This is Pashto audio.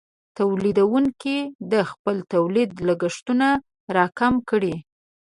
تولیدونکې د خپل تولید لګښتونه راکم کړي.